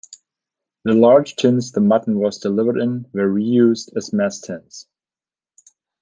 The large tins the mutton was delivered in were reused as mess tins.